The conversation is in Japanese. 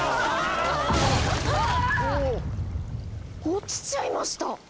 落ちちゃいました！